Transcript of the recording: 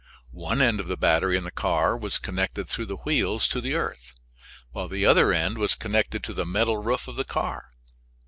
One end of the battery in the car was connected through the wheels to the earth, while the other end was connected to the metal roof of the car.